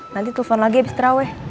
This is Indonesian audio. nanti telfon lagi abis traweh